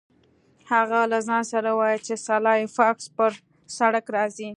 هغه له ځان سره وویل چې سلای فاکس پر سړک راځي